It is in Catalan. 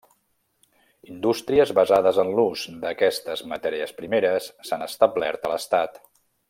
Indústries basades en l'ús d'aquestes matèries primeres s'han establert a l'estat.